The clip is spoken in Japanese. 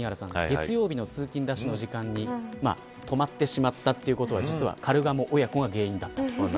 月曜日の通勤ラッシュの時間に止まってしまったということは実はカルガモ親子が原因だったと。